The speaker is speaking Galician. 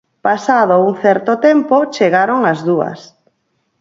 Pasado un certo tempo chegaron as dúas.